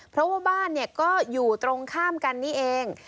เพราะว่าบ้านก็อยู่ตรงข้ามกันนี่เอง